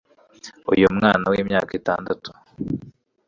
Uyu mwana w'imyaka itandatu